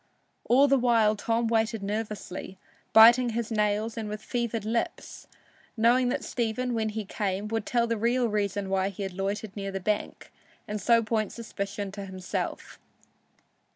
All the while Tom waited nervously, biting his nails and with fevered lips, knowing that Stephen, when he came, would tell the real reason why he had loitered near the bank, and so point suspicion to himself.